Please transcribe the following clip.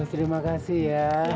terima kasih ya